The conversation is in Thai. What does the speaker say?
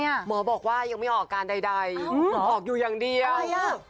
หมอบอกว่ายังไม่ออกอาการใดผมออกอยู่อย่างเดียว